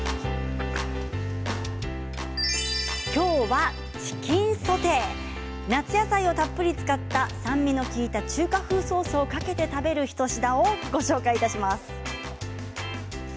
今日はチキンソテー夏野菜をたっぷり使った酸味の利いた中華風ソースをかけて食べる一品をご紹介します。